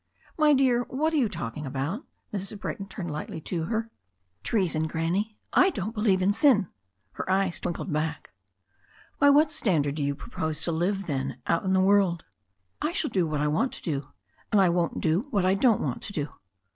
"My dear, what arc you talking about?" Mrs. Brayton turned lightly to her. "] «*1 THE STORY OF A NEW ZEALAND RIVER 235 "Treason, Granny. I don't believe in sin." Her eyes twinkled back. "By what standard do you propose to live, then, out in the world?" "I shall do what I want to do, and I won't do what I don't want to do."